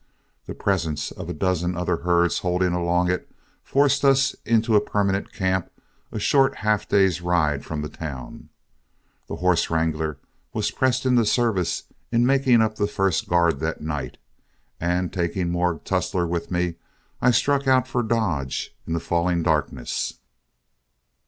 The presence of a dozen other herds holding along it forced us into a permanent camp a short half day's ride from the town. The horse wrangler was pressed into service in making up the first guard that night, and taking Morg Tussler with me, I struck out for Dodge in the falling darkness.